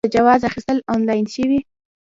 آیا د جواز اخیستل آنلاین شوي؟